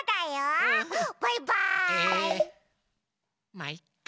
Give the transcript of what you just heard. まいっか。